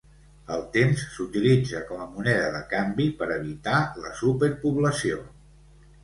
El temps s'utilitza com a moneda de canvi per evitar la superpoblació.